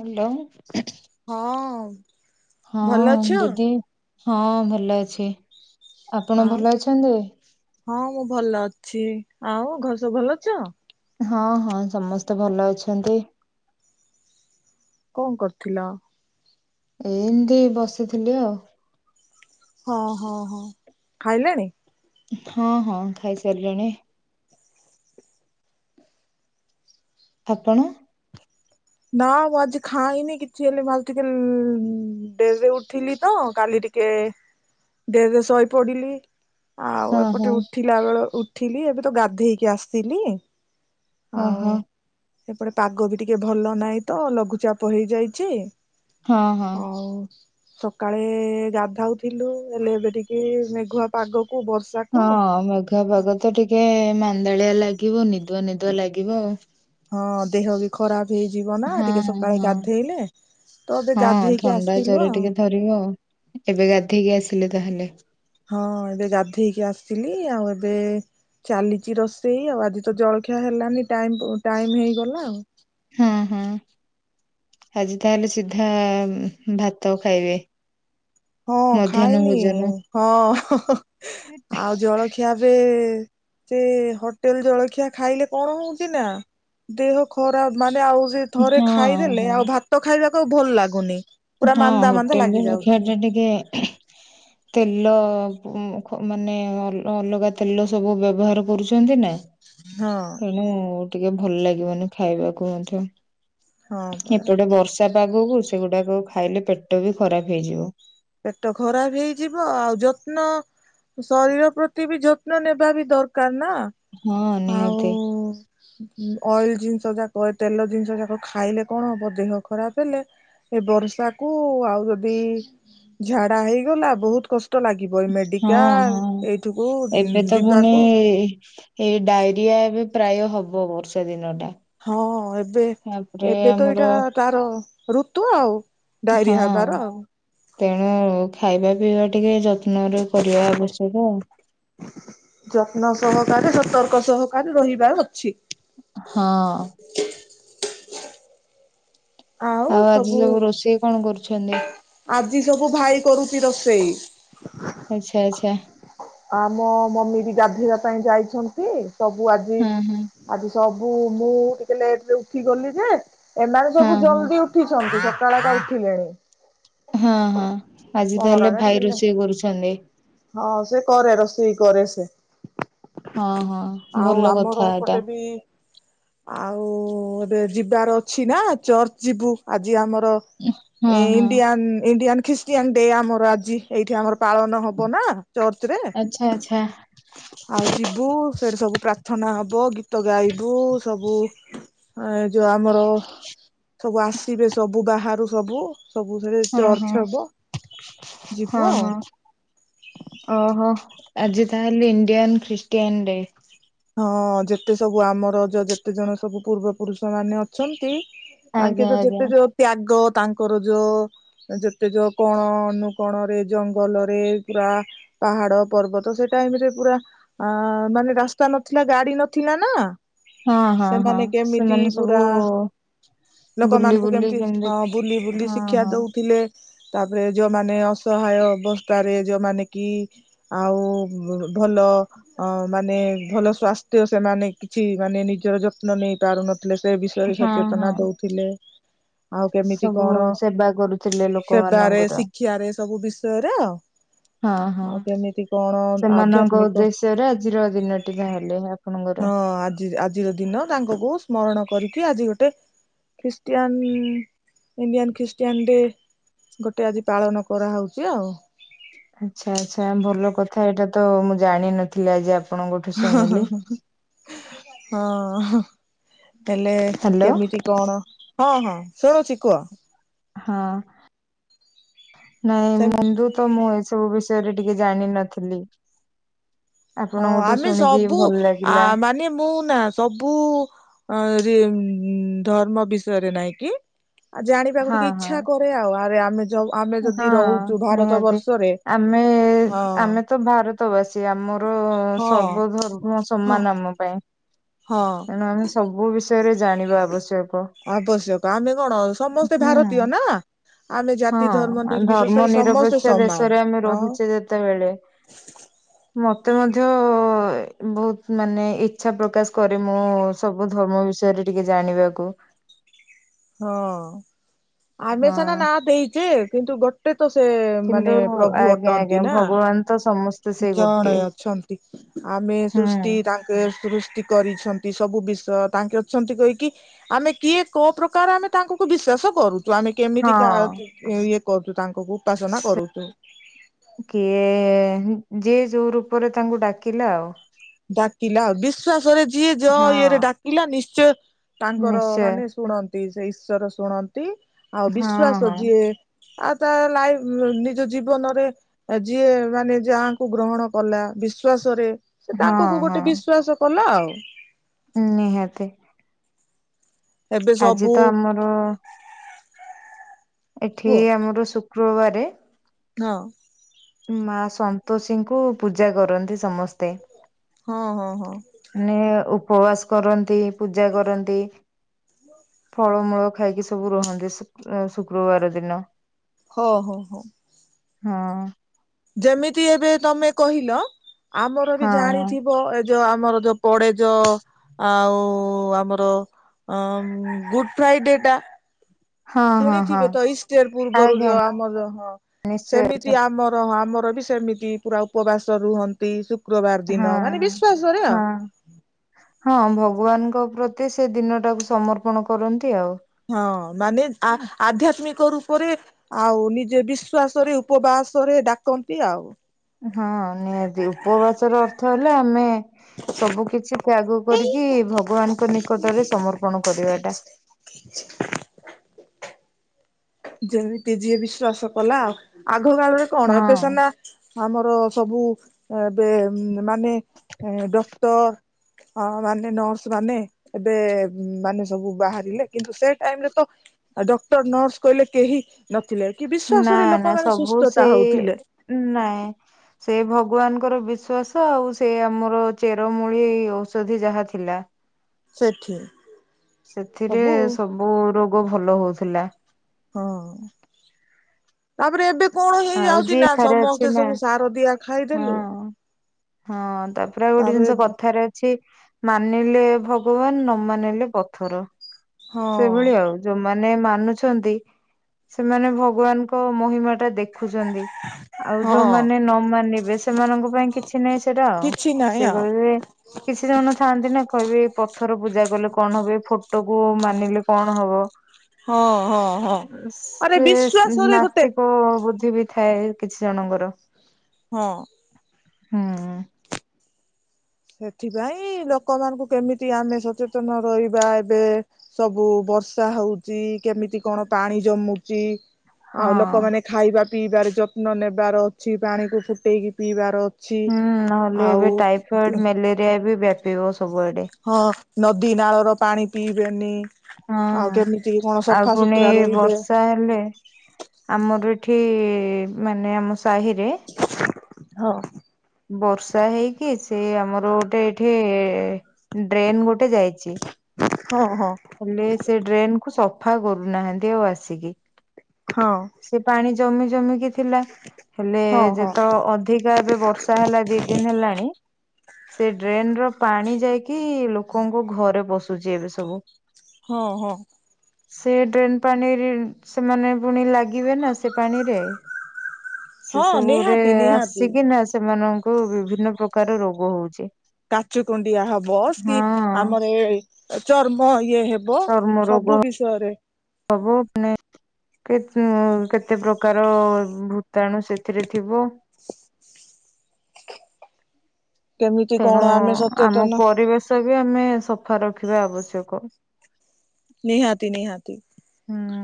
Hello ହଁ। ହଁ, ଭଲ ଅଛ? ଦିଦି, ହଁ ଭଲ ଅଛି। ଆପଣ ଆଉ ଭଲ ଅଛନ୍ତି? ହଁ ମୁଁ ଭଲ ଅଛି। ଆଉ ଘରେ ସବୁ ଭଲ ଅଛ? ହଁ ହଁ ସମସ୍ତେ ଭଲ ଅଛନ୍ତି। କଣ କରୁଥିଲ? ଏମିତି ବସିଥିଲି ଆଉ। ହଁ ହଁ ହଁ ଖାଇଲେଣି? ହଁ ହଁ ଖାଇସାରିଲିଣି। ଆପଣ? ନା ମୁଁ ଆଜି ଖାାଇନି କିଛି ହେଲେ ମୁଁ ଆ ଟିକେ ଡେରି ରେ ଉଠିଲି ତ କାଲି ଟିକ କେ ଡେରିରେ ଶୋଇ ପଡ଼ିଲି। ଆଉ ହଁ ହଁ ଏପଟେ ଉଠିଲା ବେଳ, ଉଠିଲି ଏବେ ତ ଗାଧେଇକି ଆସିଲି। ହଁ ହଁ ସେପଟେ ପାଗ ବି ଟିକେ ଭଲ ନାହିଁ ତ ଲଘୁଚାପ ହେଇଯାଇଛି। ହଁ ହଁ। ହଉ। ସକାଳେ ଗାଧାଉଥିଲୁ ହେଲେ ଏବେ ଟିକେ ମେଘୁଆ ପାଗକୁ ବର୍ଷା ହଁ ମେଘୁଆ ପାଗ ତ ଟିକେ, ମାନ୍ଦାଳିଆ ଲାଗିବ। ନିଦୁଆ ନିଦୁଆ ଲାଗିବ ଆଉ। ହଁ ଦେହ ବି ଖରାପ ହେଇଯିବ ନା ଟିକେ ହଁ ସକାଳେ ହଁ ଗାଧେଇଲେ, ତ ଏବେ ହଁ ଗାଧେଇକି ଥଣ୍ଡା ଆସିଲୁ ଜର ଆଉ। ଟିକେ ଏବେ ଗାଧେଇକି ଆସିଲେ ତାହେଲେ? ହଁ ଏବେ ଗାଧେଇକି ଆସିଲି। ଆଉ ଏବେ ଚାଲିଛି ରୋଷେଇ ଆଉ। ଆଜି ତ ଜଳଖିଆ ହେଲାନି ଟାଇ ଟାଇମ ହେଇଗଲା ଆଉ। ହଁ ହଁ ଆଜି ତାହେଲେ ସିଧା ଭାତ ଖାଇବେ? ହଁ ମଧ୍ୟାହ୍ନ ଖାଇନି। ଭୋଜନ ହଁ ହଁ ହଁ ଆଉ ଜଳଖିଆ [unintelligible] ସେ ହୋଟେଲ ଜଳଖିଆ ଖାଇଲେ କଣ ହଉଛି ନା ଦେହ ଖରାପ, ମାନେ ଆଉ ସେ ଥରେ ହଁ ଖାଇଦେଲେ ହଁ ଆଉ ଭାତ ଖାଇବାକୁ ଆଉ ଭଲ ଲାଗୁନି। ପୁରା ହଁ ମାନ୍ଦା ମାନ୍ଦା ହୋଟେଲରେ ଲାଗି [unintelligible] ଯାଉଛି ଟା ଟିକେ ତେଲ ମାନେ ଅଲଗା ତେଲ ସବୁ ବ୍ୟବହାର କରୁଛନ୍ତି ନା ହଁ ତେଣୁ ଟିକେ ଭଲ ଲାଗିବନି ଖାଇବାକୁ ମଧ୍ୟ ହଁ ପରା। ଏପଟେ ବର୍ଷା ପାଗକୁ ସେଗୁଡ଼ାକ ଖାଇଲେ ପେଟ ବି ଖରାପ ହେଇଯିବ। ପେଟ ଖରାପ ହେଇଯିବ ଆଉ ଯତ୍ନ ଶରୀର ପ୍ରତି ବି ଯତ୍ନ ନେବା ବି ଦରକାର ନା ହଁ ଆଉ ନିହାତି ଅଏଲ ଜିନିଷ ଯାକ ତେଲ ଜିନିଷ ଯାକ ଖାଇଲେ କଣ ହବ ଦେହ ଖରାପ ହେଲେ? ଏ ବର୍ଷା କୁ ଆଉ ଯଦି ଝାଡା ହେଇଗଲା ବହୁତ କଷ୍ଟ। କଷ୍ଟ ଲାଗିବ ଏଇ ହଁ ହଁ ମେଡ଼ିକାଲ ଏଇଠିକୁ ଯିବାକୁ। ଏ ଇ ଏଇ ଡାଇରିଆ ଏବେ ପ୍ରାୟ ହବ ବର୍ଷା ଦିନଟା। ହଁ ଏବେ ଏବେ ତ ଆମର ଏଇଟା ତାର ଋତୁ ଆଉ ଡାଇରିଆ ହଁ ହେବାର ଆଉ। ତେଣୁ ଖାଇବା ପିଇବା ଟିକେ ଯତ୍ନରେ କରିବା ଆବଶ୍ୟକ ଆଉ। ଯତ୍ନ ସହକାରେ ସତର୍କ ସହକାରେ ରହିବାର ଅଛି। ହଁ। ଆଉ ଆଜି ସବୁ ରୋଷେଇ କଣ କରୁଛନ୍ତି? ଆଜି ସବୁ ଭାଇ କରୁଛି ରୋଷେଇ। ଆଚ୍ଛା ଆଚ୍ଛା। ଆମ ମମି ବି ଗାଧେଇବା ପାଇଁ ଯାଇଛନ୍ତି ସବୁ ଆଜି ହଁ ହଁ ଆଜି ସବୁ ମୁଁ ଟିକେ ଲେଟ୍ ରେ ଉଠିଗଲିନା ଯେ ଏମାନେ ହଁ ସବୁ ଜଲଦି ସକାଳର ଉଠିଲେ। ହଁ ହଁ ଆଜି ମୋର ତାହେଲେ ଆକା ଭାଇ ଟିକେ ଲେ ରୋଷେଇ କରୁଛନ୍ତି। ହଁ ସେ କରେ ରୋଷେଇ କରେ ସେ। ହଁ ହଁ ଆଉ ଭଲ ଆମର କଥା ଏଟା ଏପଟେ ବି ଆଉ ଏବେ ଯିବାର ଅଛି ନା ଚର୍ଚ୍ଚ ଯିବୁ ଆଜି ଆମର। ହଁ ଏ ହଁ ଇଣ୍ଡିଆ ଇଣ୍ଡିଆନ୍ ଖ୍ରୀଷ୍ଟିଆନ ଡେ ଆମର ଆଜି ଏଇଠି ଆମର ପାଳନ। ହବ ନା ଚର୍ଚ୍ଚ ରେ। ଆଛା। ଆଉ ଯିବୁ ସେଇଠି ସବୁ ପ୍ରାର୍ଥନା ହେବ ଗୀତ ଗାଇବୁ ସବୁ। ଏଇ ଯୋଉ ଆମର ସବୁ ଆସିବେ ସବୁ ବାହାରୁ ସବୁ ସବୁଥିରେ ହଁ ହଁ ଚର୍ଚ୍ଚ ହବ ହଁ ଯିବୁ ଆଉ। ହଁ ଓହୋ ଆଜି ତାହେଲେ ଇଣ୍ଡିଆନ ଖ୍ରୀଷ୍ଟିଆନ ଡେ। ହଁ ଯେତେ ସବୁ ଆମର ଯେତେ ଜଣ ସବୁ ପୂର୍ବ ପୁରୁଷ ମାନେ ଅଛନ୍ତି। ତାଙ୍କେ ଆଜ୍ଞା ଯୋଉ ଆଜ୍ଞା ଯେତେ ଯୋଉ ତ୍ୟାଗ ତାଙ୍କର ଯୋଉ ଯେତେ ଯୋଉ କୋଣ ଅନୁକୋଣରେ ଜଙ୍ଗଲରେ ପୁରା ପାହାଡ଼ ପର୍ବତ ସେଟାଇମ୍ ରେ ପୁରା ଅ ମାନେ ରାସ୍ତା ନଥିଲା ଗାଡ଼ି ନଥିଲା ନା। ହଁ ହଁ ହଁ ସେମାନେ କେମିତି ସେମାନେ ସବୁ ପୁରା ବୁଲି ଲୋକମାନଙ୍କୁ ବୁଲି କେମିତି ହଁ ବୁଲି ବୁଲି ହଁ ଶିକ୍ଷା ହଁ ଦଉଥିଲେ। ତାପରେ ଯୋଉମାନେ ଅସହାୟ ଅବସ୍ଥାରେ ଯୋଉମାନେ କି ଆଉ ଭଲ ମାନେ ଭଲ ସ୍ୱାସ୍ଥ୍ୟ ସେମାନେ କିଛି ମାନେ ନିଜର ଯତ୍ନ ନେଇ ପାରୁନ ଥିଲେ ସେ ବିଷୟରେ ହଁ ହଁ ସଚେତନା ଦଉଥିଲେ। ଆଉ କେମିତି ସବୁ କଣ ସେବା କରୁଥିଲେ ସେବାରେ ଲୋକମାନଙ୍କର ଶିକ୍ଷାରେ ସବୁ ବିଷୟରେ ଆଉ। ହଁ ହଁ ଆଉ କେମିତି କଣ ସେମାନଙ୍କ ଆଧ୍ୟାତ୍ମିକ ଉଦ୍ଦେଶ୍ୟରେ ଆଜିର ଦିନଟି ତାହେଲେ ହଁ ଆପଣଙ୍କର। ଆଜି ଆଜିର ଦିନ ତାଙ୍କକୁ ସ୍ମରଣ କରିକି ଆଜି ଗୋଟେ ଖ୍ରୀଷ୍ଟିଆନ ଇଣ୍ଡିଆନ୍ ଖ୍ରୀଷ୍ଟିଆନ ଡେ ଗୋଟେ ଆଜି ପାଳନ କରାହେଉଛି ଆଉ। ଆଚ୍ଛା ଆଚ୍ଛା ଭଲ କଥା ଏଇଟା ତ ମୁଁ ଜାଣିନଥିଲି। ଆ ହଁ ହେଲେ ହ୍ୟାଲୋ କେମିତି କଣ ହଁ ହଁ ଶୁଣୁଛି କୁହ। ହଁ ନାଇଁ ସେ [unintelligible] ତ ମୁଁ ଏସବୁ ବିଷୟରେ ଟିକେ ଜାଣିନଥିଲି। ହଁ ଆପଣଙ୍କଠୁ ଆମେ ଶୁଣିକି ସବୁ ଭଲ ଆ ଲାଗିଲା ମାନେ ମୁଁ ନା। ସବୁ ଧର୍ମ ବିଷୟରେ ନାଇଁକି ଆଉ ଜାଣିବାକୁ ହଁ ଟିକେ ହଁ ଇଚ୍ଛା କରେ ଆଉ ଆରେ ଆମେ ଯ ଆମେ ଯଦି ହଁ ରହୁଛୁ ଭାରତ ନିହାତି ବର୍ଷରେ ଆମେ ହଁ ଆମେ ତ ଭାରତ ଭତ ବାସୀ ଆମର ହଁ ସର୍ବ ଧର୍ମ ହଁ ସମ୍ମାନ ଆମ ପାଇଁ। ହଁ ତେଣୁ ଆମେ ସବୁ ବିଷୟରେ ଜାଣିବା ଆବଶ୍ୟକ। ଆବଶ୍ୟକ ଆମେ କଣ ସମସ୍ତେ ହୁଁ। ଭାରତୀୟ ନା? ଆମେ ଜାତି ଧର୍ମ ହଁ ଧର୍ମ ନିର୍ବିଶେଷରେ ସମସ୍ତେ ନିରପେକ୍ଷ ସମାନ ଦେଶରେ ଆମେ ଆଉ ରହୁଛେ ଯେତେବେଳେ। ମତେ ମଧ୍ୟ ବହୁତ ମାନେ ଇଚ୍ଛା ପ୍ରକାଶ କରେ ମୁଁ। ସବୁ ଧର୍ମ ବିଷୟରେ ଟିକେ ଜାଣିବାକୁ। ହଁ ଆମେ ହଁ ସନା ନା ଦେଇଛେ କିନ୍ତୁ ଗୋ ଗୋଟେ ତ ସେ କିନ୍ତୁ ମାନେ ପ୍ରଭୁ ଆଜ୍ଞା ଅଟନ୍ତି ଆଜ୍ଞା ନା? ଭଗବାନ ତ ସମ ଜଣେ ଅଛନ୍ତି ଆମେ ହୁଁ ସୃଷ୍ଟି ତାଙ୍କେ ସୃଷ୍ଟି କରିଛନ୍ତି ସବୁ ବିଷୟ ତାଙ୍କେ ଅଛନ୍ତି କହିକି ଆମେ କିଏ କୋଉ ପ୍ରକାର ଆମେ ତାଙ୍କୁ ବିଶ୍ୱାସ କରୁଛୁ ଆମେ କେମିତିକା ହଁ ଇଏ କରୁଛୁ? ତାଙ୍କଙ୍କୁ ଉପାସନା କରୁଛୁ। କିଏ ଯିଏ ଯୋଉ ରୂପରେ ତାଙ୍କୁ ଡାକିଲା ଆଉ। ଡାକିଲା ଆଉ ବିଶ୍ଵାସରେ ଯିଏ ଯଅ ହଁ ଇଏରେ ଡାକିଲା ନିଶ୍ଚୟ ତାଙ୍କର ନିଶ୍ଚୟ ମାନେ ଶୁଣନ୍ତି ସେ ଈଶ୍ୱର ଶୁଣନ୍ତି ଆଉ ହଁ ବିଶ୍ଵାସ ହଁ ଯିଏ ଆଉ ତା ଲାଇଫ ନିଜ ଜୀବନରେ ଯିଏ ମାନେ ଯାହାକୁ ଗ୍ରହଣ କଲା ବିଶ୍ଵାସରେ। ସେ ହଁ ତାଙ୍କକୁ ଗୋଟେ ବିଶ୍ଵାସ କଲା ଆଉ। ହଁ ନିହାତି। ଏବେ ଆଜି ସବୁ ତ ଆମର ଏଠି କୁହ ଆମର ଶୁକ୍ରବାରେ ହଁ। ମା ସନ୍ତୋଷୀଙ୍କୁ ପୂଜା କରନ୍ତି ସମସ୍ତେ। ହଁ ହଁ ହଁ। ନିଏ ଉପବାସ କରନ୍ତି। ପୂଜା କରନ୍ତି ଫଳମୂଳ ଖାଇକି ସ ସବୁ ରୁହନ୍ତି ଶ୍ରୁ ଶୁକ୍ରବାର ଦିନ। ହଁ ହଁ ହଁ। ହଁ। ଯେମିତି ଏବେ ତମେ କହିଲ ଆମର ବି ହଁ ଜାଣିଥିବ? ଏ ଯୋଉ ଆମର ଯୋଉ ପଡେଜ ଆଉ ଆମର ଅ ଗୁଡ୍ ଫ୍ରାଇଡେଟା। ହଁ ହଁ ହଁ ଶୁଣିଥିବେ ତ ଇଷ୍ଟର ପୂର୍ବରୁ ଆଜ୍ଞା ଯୋଉ ଆମର ହଁ। ନିଶ୍ଚୟ ସେମିତି ଆମର ହଁ ଆମର ବି ସେମିତି। ତି ପୁରା ଉପବାସ ରୁହନ୍ତି ଶୁକ୍ରବାର ହଁ। ଦିନ ମାନେ ବିଶ୍ଵାସ ରେ ହଁ ଆଉ। ହଁ ଭଗବାନଙ୍କ ପ୍ରତି ସେ ଦିନ ଟାକୁ ସମର୍ପଣ କରନ୍ତି ଆଉ। ହଁ ମାନେ ଆ ଆଧ୍ୟାତ୍ମିକ ରୂପରେ। ଆଉ ନିଜ ବିଶ୍ଵାସ ରେ ଉପବାସ ରେ ଡାକନ୍ତି ଆଉ। ହଁ ନିହାତି ଉପବାସ ର ଅର୍ଥ ହେଲା ଆମେ ସବୁ କିଛି କୁ ଆଗ କରିକି ଭଗବାନଙ୍କ ନିକଟରେ ସମର୍ପଣ କରିବାଟା ଯେମିତି ଯିଏ ବିଶ୍ଵାସ କଲା ଆଉ ଆଗ କାଳରେ କଣ ଏବେ ହଁ। ସେନା ଆମର ସବୁ ଏବେ ମାନେ ଡକ୍ଟର। ହଁ ମାନେ ନର୍ସ ମାନେ। ଏବେ ମାନେ ସବୁ ବାହାରିଲେ କିନ୍ତୁ ସେ ଟାଇମ ରେ ତ ଡକ୍ଟର ନର୍ସ। କହିଲେ କେହି ନଥିଲେ କି ନା ବିଶ୍ଵାସରେ ଲୋକମାନେ ସବୁ ସୁସ୍ଥତା ହଉଥିଲେ। ସେଇ ଉଁ ନା। ସେ ଭଗବାନଙ୍କର ବିଶ୍ଵାସ ଆଉ ସେ ଆମର ଚେରମୂଳି ଔଷଧି ଯାହା ଥିଲା। ସେଠି। ସେଥିରେ ସବୁ ସବୁ ରୋଗ ଭଲ ହଉଥିଲା। ହଁ। ତାପରେ ଏବେ କଣ ଆଉ ହେଇଯାଉଛି ଯିଏ ନା ଥରେ ଅଛି ସମସ୍ତେ ନା ସବୁ ସାର ଦିଆ ହଁ ଖାଇଦେଲୁ। ହଁ ତାପରେ ଆଉ ଗୋଟେ ଜିନିଷ କଥାରେ ଅ ଛି ମାନିଲେ ଭଗବାନ ନ ମାନିଲେ ପଥର ହଁ ସେଇଭଳି ଆଉ। ଯୋଉମାନେ ମାନୁଛନ୍ତି ସେମାନେ ଭଗବାନଙ୍କ ମହିମା ଟା ଦେଖୁଚନ୍ତି। ଆଉ ହଁ ଯୋଉମାନେ ନ ମାନିବେ ସେମାନଙ୍କ ପାଇଁ କିଛି ନାହିଁ ସେଇଟାଉ। କିଛି ନାହିଁ ଆଉ। କିଛି ଜଣ ଥାଆନ୍ତି ନା କହିବେ ପଥର ପୂଜା କଲେ କଣ ହବ ଏ ଫଟୋ କୁ ମାନିଲେ କଣ ହବ? ହଁ ହଁ ହଁ। ଆରେ ସେ ବିଶ୍ଵାସରେ ଗୋଟେ ନାସ୍ତିକ ବୁଦ୍ଧି ଭି ଥାଏ କିଛି ଜଣଙ୍କର। ହଁ। ହୁଁ। ସେଥିପାଇଁ ଲୋକମାନଙ୍କୁ କେମିତି ଆମେ ସଚେତନ ରହିବା ଏବେ। ସବୁ ବର୍ଷା ହଉଛି କେମିତି କଣ ପାଣି ଜମୁଚି? ଆଉ ହଁ ଲୋକମାନୋନ ଖାଇବା ପିଇବାର ଯତ୍ନ ନେବାର ଅଛି ପାଣି କ ଫୁଟେଇକି ପିଇବାର ଅ ହୁଁ ନହେଲେ ଏବେ ଟାଇଫଏଡ ମ୍ୟାଲେରିଆ ବି ବ୍ୟାପିବ ସବୁଆଡେ। ହଁ ନଦୀ ନାଳ ର ପାଣି ପିଇବେନି। ହଁ ଆଉ କେମିତି କଣ ଆଉ ପୁଣି ସଫାସୁତୁରା ରହିବେ ବର୍ଷା ହେଲେ। ଆମର ଏଠି ମାନେ ଆମ ସାହିରେ। ହଁ। ବର୍ଷା ହେଇକି ସେ ଆମର ଗୋଟେ ଏଇଠି ଡ୍ରେନ୍ ଗୋଟେ ଯାଇଚି। ହଁ ହଁ। ହେଲେ ସେ ଡ୍ରେନ କୁ ସଫା କରୁନାହାନ୍ତି ଆଉ ଆସିକି। ହଁ। ସେ ପାଣି ଜମି ଜମି କିି ଥିଲା ହେଲେ ହଁ ଯେତେ ଅ ଅଧିକା ଏବେ ବର୍ଷା ହେଲା ଦି ଦିନ ହେଲାଣି ସେ ଡ୍ରେନ ର ପାଣି ଯାଇକି ଲୋକଙ୍କ ଘରେ ପସୁଛି ଏବେ ସବୁ। ହଁ ହଁ। ସେ ଡ୍ରେନ ପାଣି ସେମାନେ ପୁଣି ଲାଗିବେ ନା ସେ ପାଣିରେ। ସେ ହଁ ସବୁ ରେ ନିହାତି ନିହାତି। ଆସିକିନା ସେମାନଙ୍କୁ ବିଭିନ୍ନ ପ୍ରକାର ରୋଗ ହୋଉଚି। କାଛୁ କୁଣ୍ଡିଆ ହବ ସ୍କି ଆମର ଇଏ ଚର୍ମ ଇଏ ହେବ ହବ ଚର୍ମ ସବୁ ରୋଗ ବିଷୟରେ [unintelligible] କେତ୍ କେତେ ପ୍ରକାର ଭୂତାଣୁ ସେଥିରେ ଥିବ। କେମିତି ତେଣୁ କଣ ଆମେ ଆମ ସଚେତନ ପରିବେଶବି ଆମେ ସଫା ରଖିବା ଆବଶ୍ୟକ। ନିହାତି ନିହାତି। ହୁଁ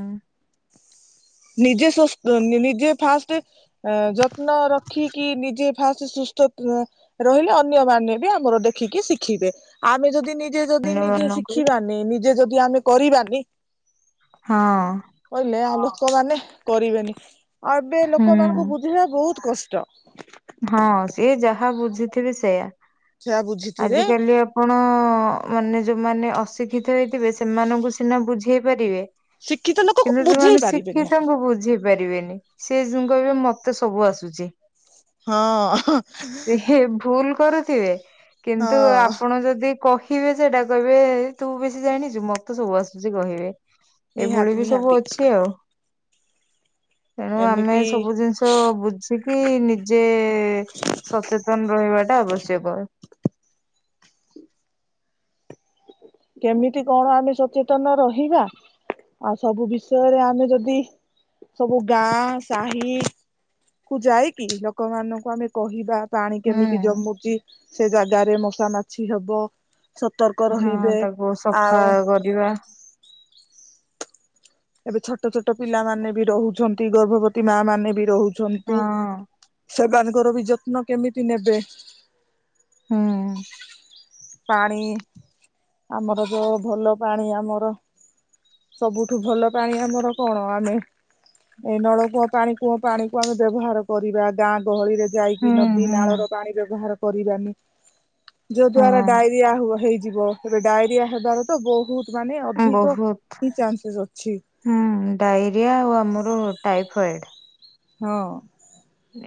ନିଜେ ସ୍ବସ୍ଥ ନିଜେ ଫାଷ୍ଟ ଯତ୍ନ ରଖିକି ନିଜେ ଫାଷ୍ଟ ସୁସ୍ଥ ଅ ଉଁ ରହିଲେ ଅନ୍ୟମାନେ ବି ଆମର ଦେଖିକି ଶିଖିବେ ଆମେ ଯଦି ନି ଜେ ଯଦି ନିଜେ ଅନ୍ୟମାନଙ୍କୁ ଶିଖିବାନି ନିଜେ ଯଦି ଆମେ କରିବାଗି ହଁ କହିଲେ ଆ ଲୋକମାନେ କରିବେନି। ଆଉ ଏବେ ହୁଁ ଲୋକମାନଙ୍କୁ ବୁଝିବା ବୋହୁତ କଷ୍ଟ। ହଁ ସିଏ ଯାହା ବୁଝିଥିବେ ସେୟା ସେଆ ବୁଝିଥିବେ ଆଜିକାଲିଆ ଆପଣ ମାନେ ଯୋଉମାନେ ଅଶିକ୍ଷିତ ହେଇଥିବେ ସେମାନଙ୍କୁ ସିନା ବୁଝେଇ ପାରିବେ। ଶିକ୍ଷିତ ଲୋକକୁ କିନ୍ତୁ ବୁଝେଇ ଯୋଉମାନେ ପାରିବେନି ଶିଖିତଙ୍କୁ ବୁଝେ ପାରିବେନି। ସିଏସବୁ କହିବେ ମତେ ସବୁ ଆସୁଚି। ହଁ ହ ଇ ସେ ଭୁଲ କରୁଥିବେ। କିନ୍ତୁ ହଁ ଆପଣ ଯଦି କହି ବେ ସେ ଏଇଟା କହିବେ ତୁ ବେଶୀ ଜାଣିଛୁ ମତେ ସବୁ ଆସୁଛି କହିବେ। ନିହାତି ଏଭଳିବି ନିହାତି ସବୁ ଅଛି ଆଉ। ତେଣୁ ଆମେ ଏମିତି ସବୁ ଜିନିଷ ବୁଝିକି ନି ଯେ ସଚେତନ ରହିବାଟା ଆବଶ୍ୟକ। କେମିତି କଣ ଆମେ ସଚେତନ ରହିବା ଆଉ ସବୁ ବିଷୟରେ ଆମେ ଯଦି ସବୁ ଗାଁ ସାହି କୁ ଯାଇକି ଲୋକମାନାନଙ୍କୁ ଆମେ କହିବା ପାଣି ହୁଁ କେମିତି ଜମୁଚି ସେ ଜାଗାରେ ମଶା ମାଛି ହେବ ସତର୍କ ରହିବେ। ଓ ସଫା ଆଉ କରିବା। ଏବେ ଛୋଟ ଛୋଟ ପିଲାମାନୋନେବି ରହୁଛନ୍ତି। ଗର୍ଭବତୀ ମା ମାନେବି ରହୁ ହଁ ଛନ୍ତି ସେମାନଙ୍କରବି ଯତ୍ନ କେମିତି ନେବେ? ହୁଁ। ପାଣି ଆମର ଯଉ ଭଲ ପାଣି ଆମର ସବୁଠୁ ଭଲ ପାଣି ଆମର କଣ? ଆମେ ଏଇ ନଳକୂଅ ପାଣି କୂଅ ପାଣିକୁ ଆମେ ବ୍ୟବହାର କରିବା। ଗାଁ ଗହଳିରେ ହୁଁ ଯାଇକି ନଦୀ ହୁଁ ନାଳର ପାଣି ବ୍ୟବହାର କରିବାନି ଯ ଦ୍ୱାରା ହଁ ଯାହାହୁଅ ହେଇଯିବ। ତେବେ ଡାଇରିଆ ହେବାରତ ବୋହୁତ ମାନେ ଅଧିକ ବହୁତ ହିଁ ଚାନ୍ସେସ୍ ଅଛି। ହୁଁ ଡାଇରିଆ ଆଉ ଆମର ଟାଇଫଏଡ। ହଁ।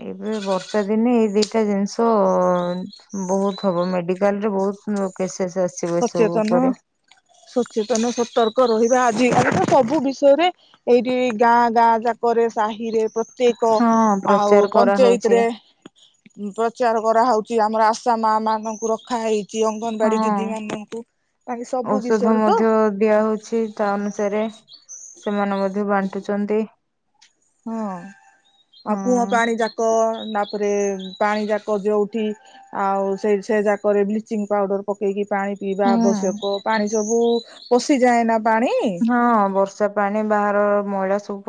ଏବେ ବର୍ଷା ଦିନେ ଏଇ ଦିଟା ଜିନିଷ ବୋହୁତ ହବ। ମେଡିକାଲରେ ବୋହୁତ ପେସେସ୍ ଆସିବ। ଏସବୁ ସଚେତନ ଉପରେ ସୂଚେତନ ସତର୍କ ରହିବା ଆଜିକାଲିତ ସବୁ ବିଷୟରେ ଏଇଠି ଗାଁ ଗାଁ ଜାକରେ ସାହିିରେ ପ୍ର ତେକ ହଁ ଆଉ ପ୍ରଚାର କରାହଉଛି ପଞ୍ଚାୟତିରେ ପ୍ରଚାର କରାହଉଛି ଆମର ଆଶା ମା ମାନଙ୍କୁ ରଖା ହେଇଛି ଅଙ୍ଗନବାଡି ହଁ ଦି ଦିଦିମାନଙ୍କୁ ତାଙ୍କେ ସବୁ ବିଷୟରେତ ଦିଆହଉଛି ତା ଅନୁସାରେ ସେମାନେ ମଧ୍ୟ ବାଣ୍ଟୁଛନ୍ତି। ହଁ। ଆଉ କୂଅ ହଁ ପାଣିଯାକ ତାପରେ ପାଣିଯାକ ଯଉଠି ଆଉ ସେଇ ସେ ଯାକରେ ବ୍ଲିଚିଂ ପାଉଡର, ପକେଇକି ପାଣି ପିଇବା ହୁଁ ଆବଶ୍ୟକ ପାଣି ସବୁ ପଶିଯାଏ ନା ପାଣି। ହଁ, ବର୍ଷା ପାଣି ବାହାର ମହିଳା ସ